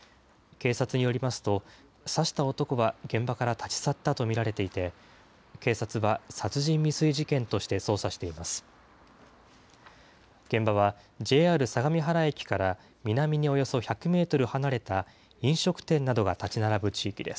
警察によりますと、刺した男は現場から立ち去ったと見られていて、警察は殺人未遂事件として捜査しています。